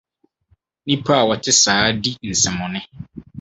Nnipa a wɔte saa di nsɛmmɔne.